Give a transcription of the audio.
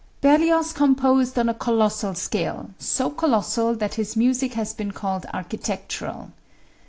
Berlioz composed on a colossal scale, so colossal that his music has been called architectural.